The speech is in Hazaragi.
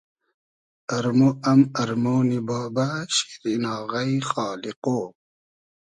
ارمۉ ام ارمۉنی بابۂ ، شیرین آغݷ ، خالیقۉ